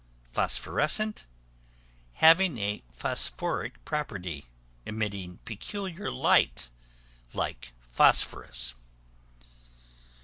Phosphorescent, having a phosphoric property, emitting peculiar light like phosphorus.